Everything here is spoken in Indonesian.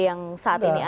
yang saat ini ada